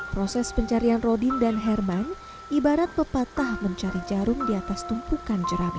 proses pencarian rodin dan herman ibarat pepatah mencari jarum di atas tumpukan jerami